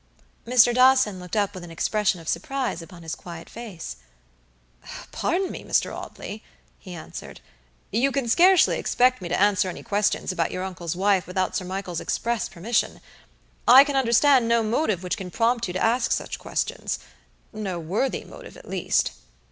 Mr. Dawson looked up with an expression of surprise upon his quiet face. "Pardon me, Mr. Audley," he answered; "you can scarcely expect me to answer any questions about your uncle's wife without Sir Michael's express permission. I can understand no motive which can prompt you to ask such questionsno worthy motive, at least."